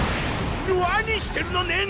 何してるのねん！